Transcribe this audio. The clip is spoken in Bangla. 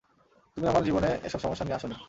তুমি আমার জীবনে এসব সমস্যা নিয়ে আসোনি।